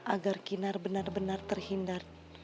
agar kinar benar benar terhindar